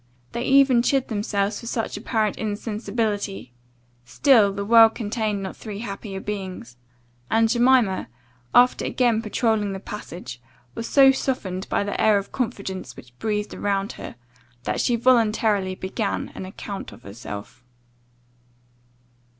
They even chid themselves for such apparent insensibility; still the world contained not three happier beings. And Jemima, after again patrolling the passage, was so softened by the air of confidence which breathed around her, that she voluntarily began an account of herself.